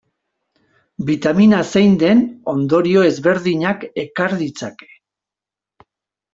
Bitamina zein den ondorio ezberdinak ekar ditzake.